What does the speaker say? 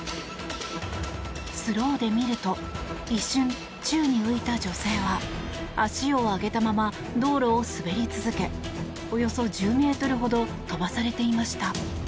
スローで見ると一瞬、宙に浮いた女性は足を上げたまま道路を滑り続けおよそ１０ｍほど飛ばされていました。